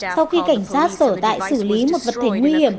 sau khi cảnh sát sở tại xử lý một vật thể nguy hiểm